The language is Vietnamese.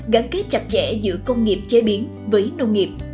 gắn kết chặt chẽ giữa công nghiệp chế biến với nông nghiệp